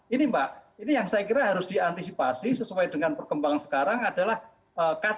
ini mbak ini yang saya kira harus diantisipasi sesuai dengan perkembangan sekarang adalah ktp